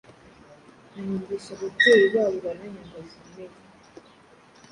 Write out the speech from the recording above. anyangisha ababyeyi babo baranyanga bikomeye